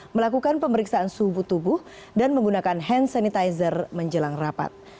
melakukan pemeriksaan suhu tubuh dan menggunakan hand sanitizer menjelang rapat